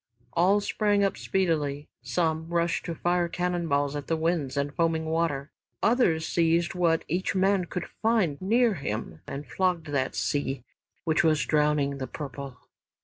All sprang up speedily, some rushed to fire cannon balls at the winds and foaming water, others seized what each man could find near him and flogged that sea which was drowning "The Purple."